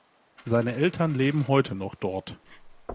Seine Eltern leben heute noch dort.